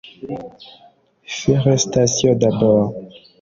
felicitation d’abord